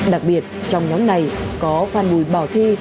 đặc biệt trong nhóm này có phan bùi bảo thi